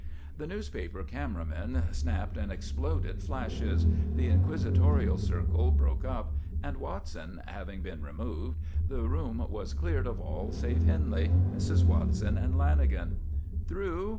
The newspaper camera men snapped and exploded flashes; the inquisitorial circle broke up, and Watson having been removed, the room was cleared of all save Henley, Mrs. Watson, and Lanagan. "Through?"